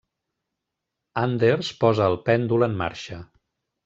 Anders posa el pèndol en marxa.